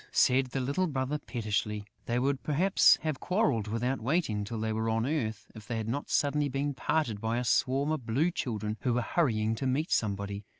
said the little brother, pettishly. They would perhaps have quarrelled, without waiting till they were on earth, if they had not suddenly been parted by a swarm of Blue Children who were hurrying to meet somebody.